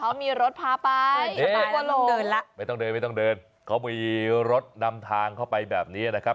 เขามีรถพาไปเอ๊ะไม่ต้องเดินเขามีรถนำทางเข้าไปแบบนี้นะคะ